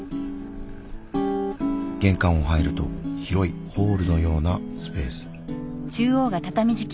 玄関を入ると広いホールのようなスペース。